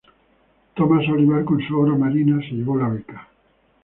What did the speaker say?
Tomás Olivar con su obra "Marina" se llevó la beca.